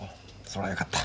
そりゃよかった。